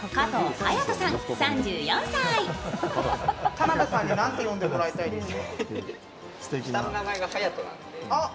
田辺さんに何て呼んでもらいたいですか？